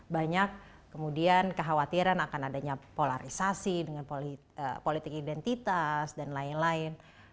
banyak kemudian kekhawatiran akan adanya polarisasi dengan politik identitas dan lain lain